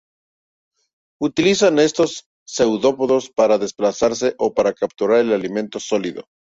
Utilizan estos seudópodos para desplazarse o para capturar el alimento sólido.